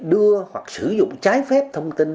đưa hoặc sử dụng trái phép thông tin